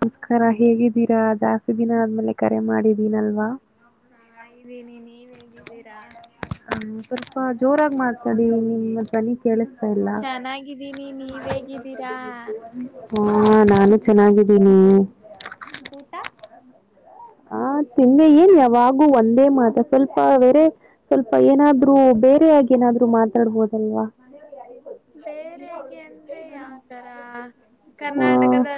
ನಮಸ್ಕಾರ ಹೇಗಿದ್ದೀರಾ ಜಾಸ್ತಿ ದಿನ ಆದ್ಮೇಲೆ ಕರೆ ಮಾಡಿದ್ದೀನಲ್ವಾ. ಸನ್ನಾಗಿದ್ದೀನಿ ನೀವ್ ಹೇಗಿದ್ದೀರಾ. ಹಾ ಸ್ವಲ್ಪ ಜೋರಾಗಿ ಮಾತಾಡಿ ನಿಮ್ ಧ್ವನಿ ಕೇಳಿಸ್ತಾ ಇಲ್ಲಾ. ಚೆನ್ನಾಗಿದ್ದೀನಿ ನೀವ್ ಹೇಗಿದ್ದೀರಾ ಹಾ ನಾನು ಚೆನ್ನಾಗಿದ್ದೀನಿ. ಊಟ? ಹ ತಿಂದೆ ಏನ್ ಯಾವಾಗೂ ಒಂದೇ ಮಾತ ಸ್ವಲ್ಪ ವೇರೆ ಸ್ವಲ್ಪ ಏನಾದ್ರು ಬೇರೆ ಆಗಿ ಏನಾದ್ರು ಮಾತಾಡ್ಬೋದಲ್ವಾ. ಬೇರೆಗೆ ಅಂದ್ರೆ ಯಾವ್ತರ, ಹ ಕರ್ನಾಟಕದ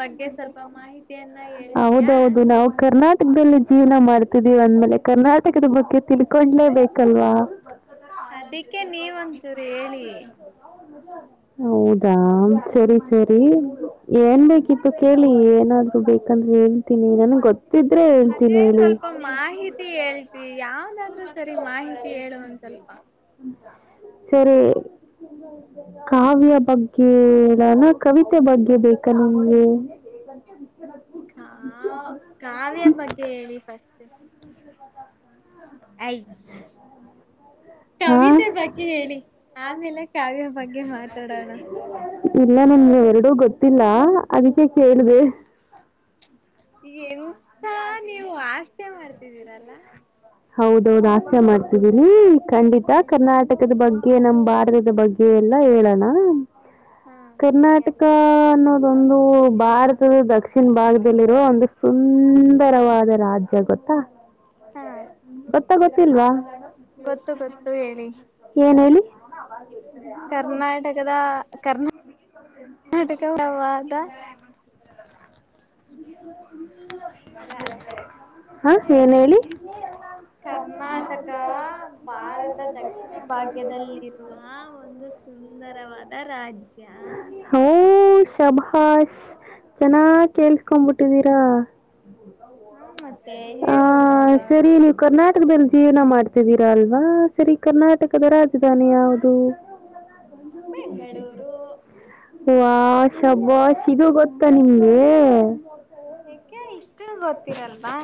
ಬಗ್ಗೆ ಸ್ವಲ್ಪ ಮಾಹಿತಿಯನ್ನ ಹೇಳ್ತಿಯಾ? ಹೌದೌದು ನಾವು ಕರ್ನಾಟಕದಲ್ಲಿ ಜೀವನ ಮಾಡ್ತಿದ್ದೀವಿ ಅಂದ್ಮೇಲೆ ಕರ್ನಾಟಕದ ಬಗ್ಗೆ ತಿಳ್ಕೊಂಡ್ಲೇಬೇಕಲ್ವಾ ಅದಿಕ್ಕೆ ನೀವಂಚೂರ್ ಹೇಳಿ. ಹೌದಾ ಸರಿ ಸರಿ. ಏನ್ ಹ್ಮ್ ಬೇಕಿತ್ತು ಕೇಳ್ ಇಲ್ಲಿ ಏನಾದ್ರು ಬೇಕಂದ್ ಹೇಳ್ತೀನಿ ನನ್ಗ್ ಗೊತ್ತ್ ಅದೇ ಸ್ವಲ್ಪ ಮಾಹಿತಿ ಹೇಳ್ತಿ ಯಾವ್ದಾದ್ರು ಸರಿ ಮಾಹಿತಿ ಹೇಳು ಒಂದ್ ಸ್ವಲ್ಪ. ಸರಿ ಕಾವ್ಯ ಬಗ್ಗೆ ಹೇಳಣ ಕವಿತೆ ಬಗ್ಗೆ ಬೇಕಾ ನಿಂಗೆ ಆ ಕಾವ್ಯದ್ ಬಗ್ಗೆ ಹೇಳಿ ಫಸ್ಟು. [inaudible] ಹಾ ಕವಿತೆ ಬಗ್ಗೆ ಹೇಳಿ ಆಮೇಲೆ ಕಾವ್ಯ ಬಗ್ಗೆ ಮಾತಾಡೋಣ [inaudible] ಇಲ್ಲ ನನ್ಗೆ ಎರಡೂ ಗೊತ್ತಿಲ್ಲ. ಅದಕ್ಕೆ ಕೇಳ್ದೆ. ಈ ಏನು [unintelligible] ಟ್ಟಿದ್ದೀರಲ್ಲ ಹೌದೌದು ಹಾಸ್ಯ ಮಾಡ್ ಇದೀನಿ ಖಂಡಿತ ಕರ್ನಾಟಕದ ಬಗ್ಗ್ ಹೆ ನಮ್ ಭಾರತದ ಬಗ್ಗೆ ಎಲ್ಲಾ ಹೇಳೋಣ. ಹಾ ಸರಿ ಕರ್ನಾಟಕ ಆಯ್ತು ಅನ್ನೋದೊಂದು ಭಾರತದ ದಕ್ಷಿಣ ಭಾಗದಲ್ಲಿರೋ ಒಂದು ಸುಂದರವಾದ ರಾಜ್ಯ ಗೊತ್ತಾ. ಹಾ ಗೊತ್ತ ಗೊತ್ತಿಲ್ವಾ ಗೊತ್ತು ಗೊತ್ತು ಹೇಳಿ ಏನೇಳಿ? [unintelligible] ಕರ್ನಾಟಕದ ಕರ್ನಾ ಕರ್ನಾಟಕ ವಾದ ಇಲ್ಲ ಹ ಏನ್ ಹೇಳಿ. ನಾಟಕ ಒಂದು ಸುಂದರವಾದ ರಾಜ್ಯ ಅಂತ ಹೋ ಉಷ್ [unintelligible] ಶಭಾಷ್ ಚೆನ್ನಾಗ್ ಕೇಳ್ಸ್ಕೊಂಡ್ ಬಿಟ್ಟಿದೀರಾ. ಹಾ ಮತ್ತೆ ಹ ಹೇಳ್ಬೇಕಲ್ವಾ ಸರಿ ನೀವು ಕರ್ನಾಟ್ ಇಲ್ ಬಂದ್ ಜೀವ್ನ ಮಾಡ್ತಿದಿ. ಅಲ್ವಾ ಸರಿ ಕರ್ನಾಟಕದ ರಾಜಧಾನಿ ಯಾವ್ದು. ಬೆಂಗಳೂರು ವ ಶಭಾಷ್ ಇದು ಗೊತ್ತಾ ನಿಮ್ಗೆ. ಯಾಕೆ ಇಷ್ಟು ಗೊತ್ತಿರಲ್ವಾ.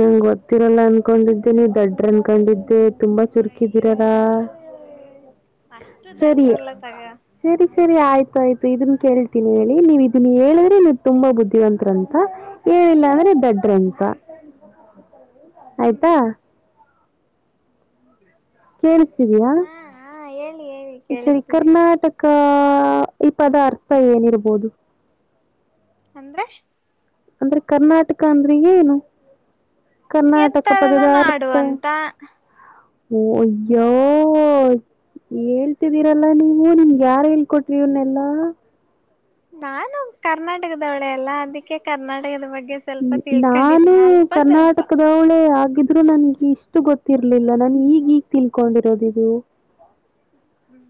ನಂಗ ಗೊತ್ತಿರಲ್ಲ ಅನ್ಕೊಂಡಿದ್ದಿನಿ ದಡ್ರು ಅನ್ಕೊಂಡಿ. ತುಂಬಾ ಚುರ್ಕಿದ್ದೀರಾರ ಅಯ್ಯಯ್ಯಯ್ಯೋ ಅಷ್ಟು ಸರಿ ದಟ್ರಲ್ಲ ತಗ ಸರಿ ಸರಿ ಆಯ್ತು ಆಯ್ತು. ಇದುನ್ನ ಕೇಳ್ತೀನಿ ಹೇಳಿ ನೀವು ಇದ್ ನೀ ಹೇಳಿದ್ರೆ ಹ್ಮ್ ನೀವು ತುಂಬಾ ಬುದ್ಧಿವಂತರ ಅಂತ ಹೇಳಿಲ್ಲ ಅಂದ್ರೆ ದೊಡ್ಡ್ರಂತ. ಹ್ಮ್ ಆಯ್ತಾ ಹೇಳಿ ಹಾ ಹೇಳಿ ಹೇಳಿ [unintelligible] ಸರಿ ಕೇಳಿಸ್ತಿದೆ ಕರ್ನಾಟಕ ಆ ಈ ಪದ ಅರ್ಥ ಏನಿರ್ಬೋದು. ಅಂದ್ರೆ ಅಂದ್ರೆ ಕರ್ನಾಟಕ ಅಂದ್ರೆ ಏನು. ಕರ್ನಾಟಕ ಎತ್ತರದ ಪದದ ನಾಡು ಅರ್ಥ ಅಂತ. ಓ ಅಯ್ಯೋ ಹೇಳ್ತಿದ್ದೀರಲ್ಲ ನೀವು ನಿಮ್ಗ್ ಯಾರ್ ಹೇಳ್ಕೊಟ್ರು ಇವನ್ನೆಲ್ಲಾ. ನಾನು ಕರ್ನಾಟಕದೊಳೆ ಅಲಾ ಅದಕ್ಕೆ ಕರ್ನಾಟಕದ ಬಗ್ಗೆ ಸ್ವಲ್ಪ ನಾನು ತಿಳ್ಕೊಂಡಿದ್ದೀನಿ ಅಲ್ಪ ಸ್ವಲ್ಪ ಕರ್ನಾಟಕದವಳೇ ಆಗಿದ್ರು ನನ್ಗೆ ಇಷ್ಟು ಗೊತ್ ಇರ್ಲಿಲ್ಲ ನಾನು ಈಗ ಈಗ್ ತಿಳ್ಕೊಂಡಿರೋದ ಇದು.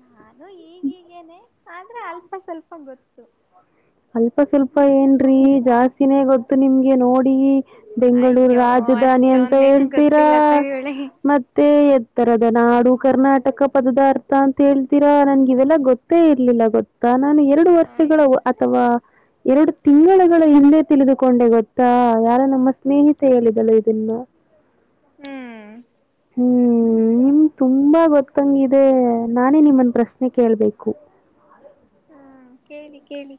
ನಾನು ಈಗೀಗೇನೆ ಆದ್ರೆ ಅಲ್ಪ ಸ್ವಲ್ಪ ಗೊತ್ತು. ಅಲ್ಪ ಸ್ವಲ್ಪ ಏನ್ರೀ ಜಾಸ್ತಿನೇ ಗೊತ್ತು ನಿಮ್ಗೆ ನೋಡಿ ಬೆಂಗಳೂರು ಅಯ್ಯೋ ರಾಜಧಾನಿ ಅಂತ ಅಷ್ಟೊಂದೇನು ಹೇಳ್ತೀರಾ ಗೊತ್ತಿಲ್ಲ ತಗೊಳ್ಳಿ ಮತ್ತೆ. ಉತ್ತರದ ನಾಡು ಕರ್ನಾಟಕ ಪದದಾರ್ಥ. ಅಂತ ಹೇಳ್ತೀರಾ ನನ್ಗೆ ಇವೆಲ್ಲ ಗೊತ್ ಗೊತ್ತೆ ಇರ್ಲಿಲ್ಲ ಗೊತ್ತಾ. ನಾನು ಎರಡು ವರ್ಷಗಳ [unintelligible] ಅಯ್ಯೋ ಅಥವಾ ಎರಡು ತಿಂಗಳುಗಳ ಹಿಂದೆ ತಿಳಿದುಕೊಂಡೆ ಗೊತ್ತಾ ಯಾರು ನಮ್ಮ ಸ್ನೇಹಿತೆ ಹೇಳಿದಲ್ಲ ಇದನ್ನು. ಹ್ಮ್ ಹ್ಮ್ ನಿಮ್ಗ್ ತುಂಬಾ ಗೊತ್ತಂಗಿದೆ ನಾನೇ ನಿಮ್ಮನ್ ಪ್ರಶ್ನೆ ಕೇಳ್ಬೇಕು. ಹಾ ಕೇಳಿ ಕೇಳಿ.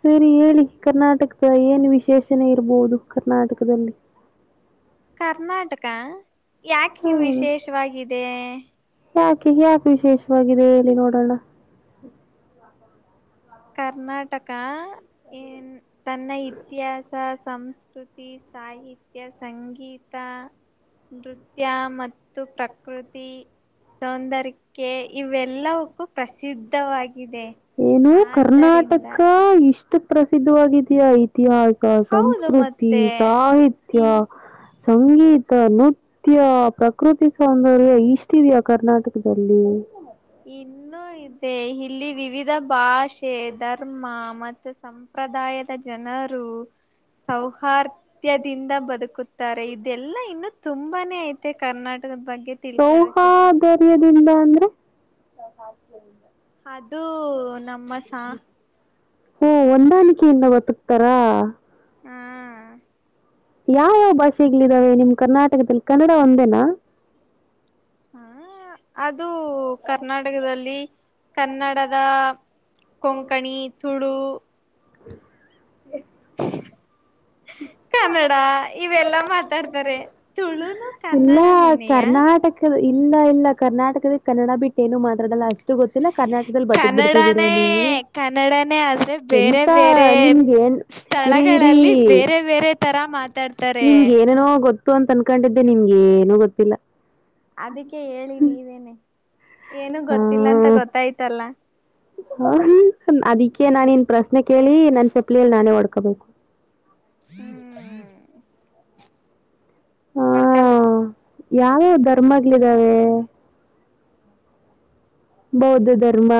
ಸರಿ ಹೇಳಿ ಕರ್ನಾಟಕದಲ್ ಏನ್ ವಿಶೇಷಣೆ ಇರ್ಬೋದು ಕರ್ನಾಟಕದಲ್ಲಿ. ಕರ್ನಾಟಕ ಯಾಕೆ ಹ್ಮ್. ವಿಶೇಷವಾಗಿದೆ? ಯಾಕೆ ಯಾಕೆ ವಿಶೇಷವಾಗಿದೆ ಹೇಳಿ ನೋಡೋಣ. ಕರ್ನಾಟಕ ಏನ್ ತನ್ನ ಇತಿಹಾಸ, ಸಂಸ್ಕೃತಿ, ಸಾಹಿತ್ಯ, ಸಂಗೀತ, ನೃತ್ಯ ಮತ್ತು ಪ್ರಕೃತಿ ಸೌಂಧರ್ಯಕ್ಕೆ ಇವೆಲ್ಲಕ್ಕೊ ಪ್ರಸಿದ್ಧವಾಗಿದೆ. ಏನು ಆದ್ದರಿಂದ ಕರ್ನಾಟಕ ಇ ಇಷ್ಟ್ಕ್ ಪ್ರಸಿದ್ಧವಾಗಿದ್ಯಾ? ಇತಿಹಾಸ ಹೌದು ಸಂಸ್ಕೃತಿ ಮತ್ತೆ ಸಾಹಿತ್ಯ ಇನ್ ಸಂಗೀ ನೃತ್ಯ ಪ್ರಕೃತಿ ಸೌಂದರ್ಯ ಇಷ್ಟಿದಿಯಾ ಕರ್ನಾಟಕದಲ್ಲಿ. ಇನ್ನೂ ಇದೆ. ಇಲ್ಲಿ ವಿವಿಧ ಭಾಷೆ, ಧರ್ಮ ಮತ್ತು ಸಂಪ್ರದಾಯದ ಜನರು ಸೌಹಾರ್ದ್ಯದಿಂದ ಬದುಕುತ್ತಾರೆ ಇದೆಲ್ಲಾ ಇನ್ನು ತುಂಬಾನೇ ಐತೆ ಕರ್ನಾಟಕದ ಬಗ್ಗ್ ಸೌಹಧರ್ಯದಿಂದ ಅಂದ್ರೆ [inaudible] ಅದು ನಮ್ಮ ಸಾ ಓ ಹೊಂದಾಣಿಕೆೆಯಿಂದ ಬದುಕ್ತಾರಾ. ಹ್ಮ್ ಯಾವ್ಯಾವ್ ಭಾಷೆಗ್ಳು? ದು ನಿಮ್ ಕರ್ನಾಟಕದಲ್ಲಿ ಕನ್ನಡ ಒಂದೇನಾ ಹಾ ಅದ್ ದು ಕರ್ನಾಟಕದಲ್ಲಿ ಕನ್ನಡದ ಕೊಂಕಣಿ, ತುಳು [inaudible] [inaudible] ಕನ್ನಡ ಇವೆಲ್ಲ ಮಾತಾಡ್ತಾರೆ ತುಳುನು [unintelligible] ಇಲ್ಲ ಕನ್ನಡನೇನೆಯಾ ಕರ್ನಾಟಕದ ಇಲ್ಲ ಇಲ್ಲ ಕರ್ನಾಟಕ ಕನ್ನಡ ಬಿಟ್ಟು ಏನು ಮಾತಾಡಲ್ಲ ಅಷ್ಟು ಗೊತ್ತಿಲ್ಲ. ಕರ್ನಾಟಕದಲ್ಲಿ ಬದುಕ್ಬಿಡ್ತಿದ್ದೀರ ಕನ್ನಡನೇ ನೀವು ಕನ್ನಡನೇ ಆದ್ರೆ ಬೇರೆ ಎಂತ ಬೇರೆ ನಿಮ್ಗೆ ಏನ್ ಇರಿ ಇರಿ ಸ್ಥಳಗಳಲ್ಲಿ ಬೇರೆ. ಬೇರೆ ತರ ಮಾತಾಡ್ತಾರೆ. ನಿಮ್ಗೆ ಏನೇನೋ ಗೊತ್ತು ಅಂತ ಅನ್ಕೊಂಡಿದ್ದೆ ನಿಮ್ಗೆ ಏನು ಗೊತ್ತಿಲ್ಲ. ಅದಕ್ಕೆ ಹೇಳಿ ನೀವೇನೆ. ಏನು ಗೊತ್ತಿಲ್ಲ ಅಂತ ಗೊತ್ತಾಯ್ತಲ್ಲ. ಹ ಅದಿಕ್ಕೆ ನಾನಿನ್. ಪ್ರಶ್ನೆ ಕೇಳಿ ನನ್ನ ಚಪ್ಲಲಿಲ್ಲಿ ನಾನೇ ಹೊಡ್ [unintelligible] [unintelligible] ಹ್ಮ್ ಹೊಡ್ಕೊಳ್ರಿ ಯಾವ್ಯಾವ ಧರ್ಮಗ್ಳಿದಾವೆ. ಬೌದ್ಧ ಧರ್ಮ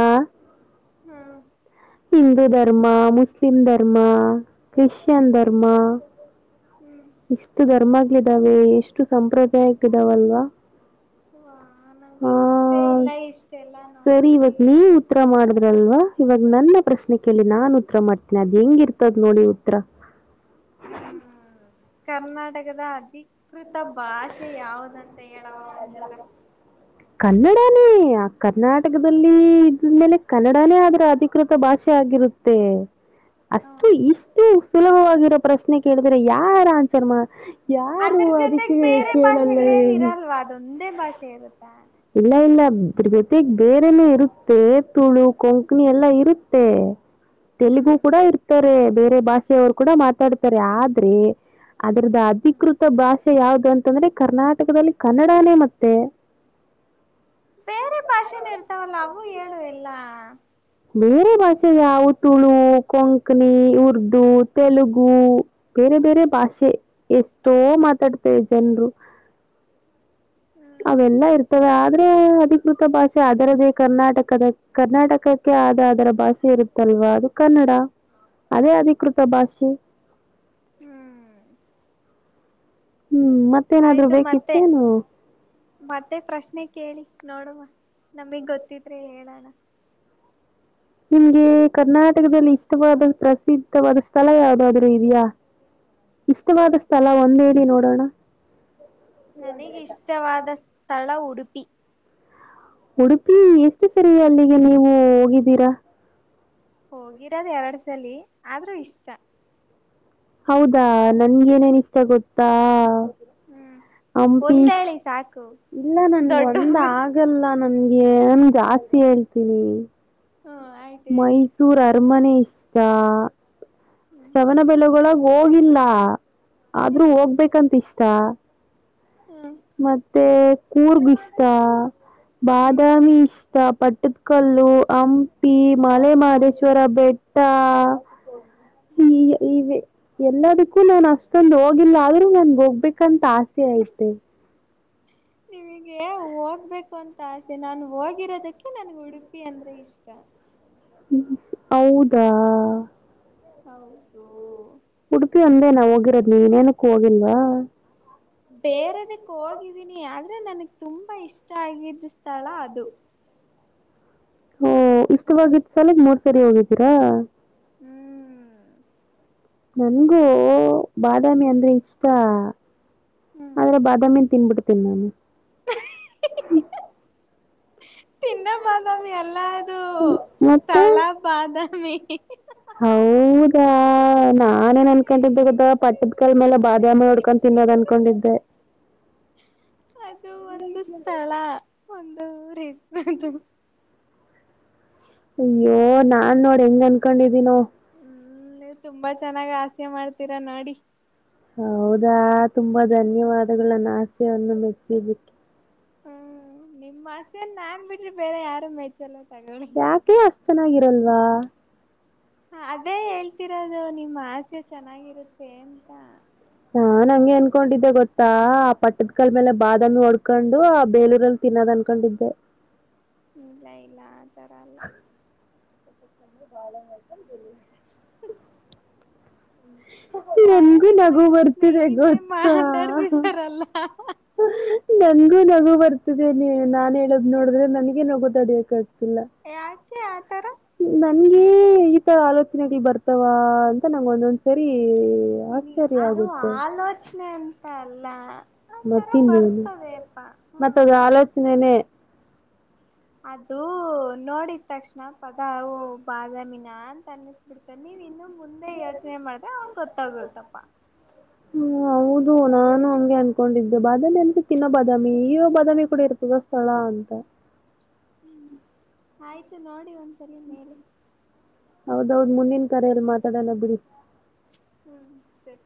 ಹ್ಮ ಹಿಂದೂ ಧರ್ಮ ಮುಸ್ಲಿಂ ಧರ್ಮ. ಕ್ರಿಶ್ಚಿಯನ್ ಹ್ಮ್ ಧರ್ಮ ಹ್ಮ್ ಇಷ್ಟು ಧರ್ಮ ಇದಾವೆ ಎಷ್ಟು ಸಂಪ್ರದಾಯಕ್ಕ ಇದಾವಲ್ವಾ. ವಾ ನಂಗೆ ಗೊತ್ತೇ ಇಲ್ಲ ಇಷ್ಟೆಲ್ಲಾ ನೋಡು ನೀವ ಇನ್ನೊಂದು. ಅಲ್ವಾ ಇವಾಗ ನನ್ನ. ಪ್ರಶ್ನೆ ಕೇಳಿ ನಾನ್ ಉತ್ತರ ಮಾಡ್ತೇನಿ ಅದ್ ಹೆಂಗಿರ್ತದ್ ನೋಡಿ ಉತ್ರ. [inaudible] ಹ್ಮ್ ಕರ್ನಾಟಕದ [unintelligible] ಕೃತ ಭಾಷೆ ಯಾವದಂತ ಹೇಳವ ಒಂಚೂರ. ಕನ್ನಡನೇ ಆ ಕರ್ನಾಟಕದಲ್ಲಿ ಇದ್ದ ಮೇಲೆ ಕನ್ನಡಾನೇ ಅದರ ಅಧಿಕೃತ ಭಾಷೆ ಆಗಿರುತ್ತೆ. ಹ್ಮ. ಅಷ್ಟು ಇಷ್ಟು ಸುಲಭವಾಗಿರೋ ಪ್ರಶ್ನೆ ಕೇ ಯಾರ ಆನ್ಸರ್ ಮಾ ಯಾರು ಅದ್ ಮತ್ತೆ ಬೇರೆ ಭಾಷೆಗಳೇನ್ ಇರಲ್ವಾ ಅದೊಂದೇ ಭಾಷೆ ಇರುತ್ತಾ. ಇಲ್ಲ ಇಲ್ಲ ಇದ್ರು ಜೊತೆಗ್ ಬೇರೆನೆ ಇರುತ್ತೆ ತುಳು ಕೊಂಕಣಿ ಎಲ್ಲ ಇರುತ್ತೆ. ತೆಲುಗು ಹ್ಮ್ ಕೂಡ ಇರ್ತಾರೆ ಬೇ ರೆ ಭಾಷೆಯವ್ರ್ ಕೂಡ ಮಾತಾಡ್ತಾರೆ ಆದ್ರೆ ಅದ್ರುದು ಅಧಿಕೃತ ಭಾಷ್ ಷೆ ಯಾವ್ದ್ ಅಂತಂದ್ರೆ ಕರ್ನಾಟಕದಲ್ಲಿ ಕನ್ನಡಾನೇ ಮತ್ತೆ,. ಬೇರೆ ಭಾಷೆನು ಇರ್ತಾವಲ್ಲ ಅವು ಹೇಳು ಎಲ್ಲ. ಬೇರೆ ಭಾಷೆ ಯಾವ ತುಳು, ಕೊಂಕಣಿ, ಉರ್ದು, ತೆಲುಗು ಬೇರೆ ಬೇರೆ ಭಾಷೆ ಎಷ್ಟೋ ಮಾತಾಡ್ತಾರೆ ಜನ್ರು. ಹ್ಮ್ ಅವೆಲ್ಲ ಇರ್ತವೆ ಆದ್ರೆ ಅಧಿಕೃತ ಭಾಷ್ ಷೆ ಅದರದೇ ಕರ್ನಾಟಕದ ಕರ್ನಾಟಕಕ್ಕೆ ಆದ ಅದರ ಭಾಷೆ ಇರುತ್ತಲ್ವಾ ಅದು ಕನ್ನಡ ಅದೇ ಅಧಿಕೃತ ಭಾಷೆ. ಹ್ಮ್ ಹ್ಮ್ ಮತ್ತೇನಾದ್ರು ಆಯ್ತು ಮತ್ತೆ ಬೇಕಿತ್ತೇನು? ಮತ್ತೆ ಪ್ರಶ್ನೆ ಕೇಳಿ ನೋಡುವ ನಮಗ್ ಗೊತ್ತಿದ್ರೆ ಹೇಳಣ. ನಿಮ್ಗೆ ಕರ್ನಾಟಕದಲ್ಲಿ ಇಷ್ಟವಾದ ಪ್ರಸಿದ್ಧವಾದ ಸ್ಥಳ ಯಾವುದಾದ್ರೂ ಇದ್ಯಾ ಇಷ್ಟವಾದ ಸ್ಥಳ ಒಂದ್ ಹೇಳಿ ನೋಡೋಣ. ನನಿಗ್ ಇಷ್ಟವಾದ ಸ್ಥಳ ಉಡುಪ್ ಪಿ. ಉಡುಪಿ ಎಷ್ಟು ಸರಿ ಅಲ್ಲಿಗೆ ನೀವು ಹೋಗಿದ್ದೀರಾ? ಹೋಗಿರೋದ್ ಎರಡ್ಸಲಿ ಆದ್ರೂ ಇಷ್ಟ. ಹೌದಾ ನನ್ಗೇನೇನ್ ಇಷ್ಟ ಗೊತ್ತಾ? ಹ್ಮ್ ಹಂಪೀ ಒಂದೇಳಿ ಸಾಕು ಇಲ್ಲ ನನ್ ದೊಡ್ಡ ಒಂದ್ ಹ್ಮ ಆಗಲ್ಲ. ನನ್ಗೇನ್ ಜಾಸ್ತಿ ಹೇಳ್ತೀನಿ. ಆಯ್ತು ಹೇಳಿ ಮೈಸೂರ್ ಅರಮನೆ ಇಷ್ ಶಾ ಶ್ರವಣಬೆಳಗೊಳ ಹೋಗಿಲ್ಲ. ಆದ್ರೂ ಹ್ಮ್ ಹೋಗ್ಬೇಕಂತಿಷ್ಟ. ಹ್ಮ್ ಮತ್ತೆ ಕೂರ್ಗ್ ಇಷ್ಟ ಹ್ಮ್ ಬಾದಾಮಿ ಇಷ್ಟ ಪಟ್ ಪಟ್ಟಡ್ಕಲ್ಲು ಹಂಪಿ ಮಲೆಮದೇಶ್ವರ ಬೆಟ್ಟಾ ಈ ಈ ಎಲ್ಲದಕ್ಕೂ ನಾನು ಅಷ್ಟೊಂದು ಹೋಗಿಲ್ಲ ಆದ್ರೂ ನನ್ಗ್ ಹೋಗ್ಬೇಕಂತ ಆಸೆ ಐತೆ. ನಿನಿಗೆ ಹೋಗ್ಬೇಕಂತ್ ತ ಆಸೆ ನಾನು ಹೋಗಿರೋದಕ್ಕೆ ನನ್ಗ್ ಉಡುಪಿ ಅಂದ್ರೆ ಇಷ್ಟ. ಹೌದಾ? ಹೌದು. ಉಡುಪಿ ಒಂದೇನ ಹೋಗಿರೋದ್ ನೀವ್ ಇನ್ ಏನುಕ್ಕು ಹೋಗಿಲ್ವಾ? ಬೇರೆದಿಕ್ ಹೋಗಿದಿನಿ ಆದ್ರೆ ನನ್ಗ್ ತುಂಬಾ ಇಷ್ಟ ಆಗಿದ್ ಸ್ಥಳ ಅದು. ಹ್ಮ್ [unintelligible] ಸರಿ ಹೋಗಿದ್ದೀರಾ. ಹ್ಮ್ ನನ್ಗೂ ಬಾದಾಮಿ ಅಂದ್ರೆ ಇಷ್ಟ. ಹ್ಮ್ ಆದ್ರೆ ಬಾದಾಮಿನ್ ತಿನ್ಬಿಡು. ತಿನ್ನಾನು. ತಿನ್ನೊ ಬಾದಾಮಿ ಅಲ್ಲ ಅದು ಮತ್ತೆ ಸ್ಥಳ ಬಾದಾಮಿ ಇ ಹಿ ಹಿ ಆ ಹಾ ಹಾ. ಆ ನಾನೇನ್ ಅನ್ಕೊಂಡಿದ್ದೆ ಗೊತ್ತಾ ಪಟ್ಟದಕಲ್ ಮೇಲೆ ಬಾದಾಮಿ ಹೊಡ್ಕೊಂಡು ತಿನ್ನೋದ್ ಅನ್ಕೊಂಡಿದ್ದೆ. ಅದು ಒಂದು ಸ್ಥಳ ಒನ್ [unintelligible] ಅಯ್ಯೋ ನಾನ್ ನೋಡ್ ಹೆಂಗ್ ಅನ್ಕೊಂಡಿದೀನೋ. ಹ್ಮ್ ನೀವ್ ತುಂಬಾ ಚೆನ್ನಾಗ್ ಆಸೆ ಮಾಡ್ತೀರಾ ನೋಡಿ. ಹೌದಾ? ತುಂಬಾ ಧನ್ಯವಾದನ್ನ ಅಣ್ಣ. ಯಾರ್ನೊ ಮೆಚ್ಚಿದಿಕ್ಕೆ ಹ್ಮ್ ನಿಮ್ಮ್ ಆಸೇೆಲ್ಲಿ ನಾನ್ ಬಿಟ್ರೆ ಬೇರೆ ಯಾರು ಮೆಚ್ಚಲ. ಯಾಕೆ ಅಷ್ಟು ಚೆನ್ನಾಗಿರಲ್ಲ. [inaudible] ಹ ಅದೇ ಹೇಳ್ತಿರೋದು ನಿಮ್ಮಾಸೆ ಚೆನ್ನಾಗಿರುತ್ತೆ ಅಂತ. ನಾನ್ ಹಂಗೆ ಅನ್ಕೊಂಡಿದ್ದೆ ಗೊತ್ತಾ ಆ ಪಟ್ಟದ್ಕಲ್ ಮೇಲೆ ಬಾದಾಮಿ ಹೊಡ್ಕೊಂಡು ಆ ಬೇಲೂರಲ್ಲಿ ತಿನ್ನೋದ್ ಅನ್ಕೊಂಡಿದ್ದೆ. ಇಲ್ಲ ಇಲ್ಲ ಆ ತರ ಅಲ್ಲ. [inaudible] ಯಾರೋ ನನ್ಗು ನಗು ನಿಮಗೆ ಬರ್ತಿದೆ ಸ್ನೇಹಿತೆ ಗೊತ್ತಾ ಮಾತಾಡ್ತಿದಾರಲ್ಲ ನನ್ಗು ನಗು ಬರ್ತಿದೆ. ನೀ ನಾನ್ ಹೇಳದ್ ನೋಡಿದ್ರೆ ನನಗೆ ನಗು ತಡಿಯಕ್ಕಾಗಲ್ಲ. ಯಾಕೆ ಆತರ? ನನ್ಗೆ ಈತರ ಆಲೋಚನೆಗಳ್ ಬರ್ತಾವ ಅಂತ ನಂಗೊಂದೊಂದ್ ಸರಿ ನಿನ್ಗೆ ಅದು ಆಲೋಚನೆ ಅಂತ ಅಲ್ಲ ಆತರ ಮತ್ತಿನೇನು ಬರ್ತದೆಪ್ಪಾ ಮತ್ತ್ ಅದು ಹ್ಮ್ ಆಲೋಚ್ನೆನೇ. ಅದು ನೋಡಿದ್ ತಕ್ಷಣ ಪದ ಅವೂ ಬಾದಾಮಿನ ಅಂತ ಅನ್ಸ್ಬಿಡ್ತರಿ ನೀವ್ ಇನ್ನು ಮುಂದೆ ಯೋಚನೆ ಮಾಡ್ದ್ರೆ ಆಗ ಗೊತ್ತಾಗತ್ತಪ್ಪ. ಹ್ಮ ಹೌದು ನಾನು ಹಂಗೆ ಅನ್ಕೊಂಡಿದ್ದೆ ಬಾದಾಮಿ ಅಂತ ತಿನ್ನೋ ಬಾದಾಮಿ ಈಗ ಬಾದಾಮಿ ಕೂಡ ಇರ್ತದ ಸ್ಥಳ ಅಂತ. ಆಯ್ತು ನೋಡಿ ಒಂದ್ಸರಿ ಮೇಲೆ. ಹೌದೌದ್ ಮುಂದಿನ ಕರೆಯಲ್ಲಿ ಮಾತಾಡೋನಾ ಬಿಡಿ. ಹ್ಮ್ ಸರಿ.